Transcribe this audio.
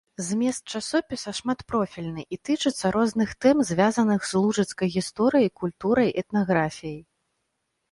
Змест часопіса шматпрофільны і тычыцца розных тэм, звязаных з лужыцкай гісторыяй, культурай, этнаграфіяй.